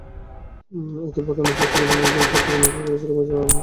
এতে প্রধান অতিথি ছিলেন বাংলাদেশ ব্যাংক চট্টগ্রামের নির্বাহী পরিচালক মিজানুর রহমান জোদ্দার।